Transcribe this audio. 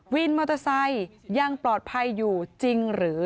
วินมอเตอร์ไซค์ยังปลอดภัยอยู่จริงหรือ